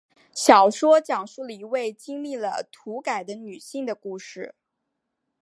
小说讲述了一位经历了土改的女性的故事。